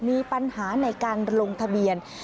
มีปัญหาในการลงทะเบียน